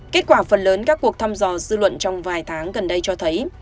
kết quả phần lớn các cuộc thăm dò dư luận trong vài tháng gần đây cho thấy